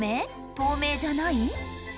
透明じゃない？